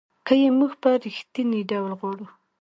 که یې موږ په رښتینې ډول غواړو .